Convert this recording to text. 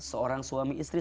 seorang suami istri